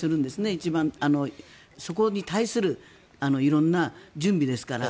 一番、そこに対する色んな準備ですから。